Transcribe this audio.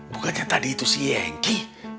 bukannya tadi itu si hengki